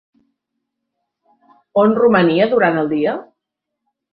On romania durant el dia?